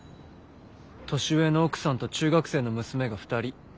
年上の奥さんと中学生の娘が２人。